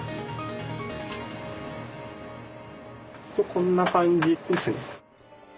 こんな感じですね。